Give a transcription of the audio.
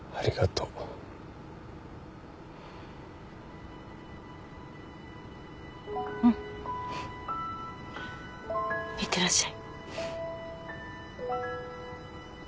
うん。いってらっしゃい。